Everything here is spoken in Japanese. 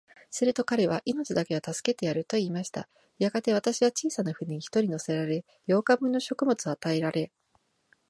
すると彼は、命だけは助けてやる、と言いました。やがて、私は小さな舟に一人乗せられ、八日分の食物を与えられ、